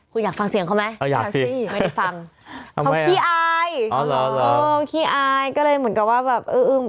คุณอยากฟังเสียงเขาไหมไม่ได้ฟังเขาขี้อายขี้อายก็เลยเหมือนกับว่าแบบเอออึ้ง